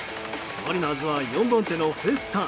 マリナーズは４番手のフェスタ。